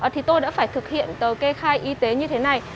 thì tôi đã phải thực hiện kê khai y tế như thế này